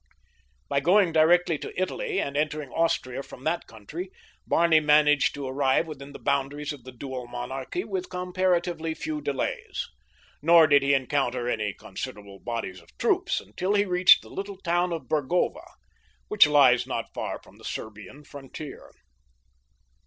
By going directly to Italy and entering Austria from that country Barney managed to arrive within the boundaries of the dual monarchy with comparatively few delays. Nor did he encounter any considerable bodies of troops until he reached the little town of Burgova, which lies not far from the Serbian frontier.